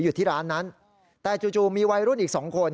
อยู่ที่ร้านนั้นแต่จู่มีวัยรุ่นอีกสองคน